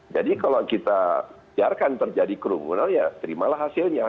jadi kalau kita biarkan terjadi kerumunan ya terimalah hasilnya